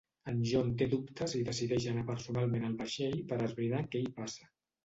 En John té dubtes i decideix anar personalment al vaixell per esbrinar què hi passa.